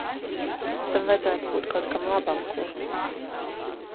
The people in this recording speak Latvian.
Tam vajadzētu būt kaut kam labam, ko?